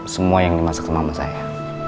semua yang dimasak sama mama saya